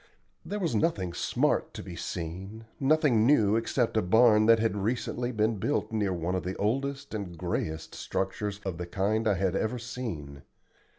There was nothing smart to be seen, nothing new except a barn that had recently been built near one of the oldest and grayest structures of the kind I had ever seen.